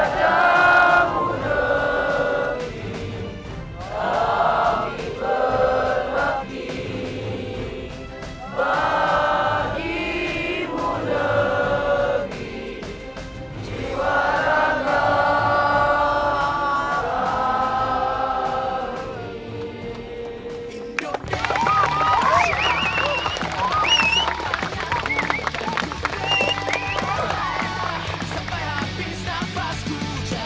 padamu negeri kami berbakti